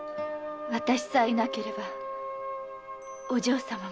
私さえ居なければお嬢様も。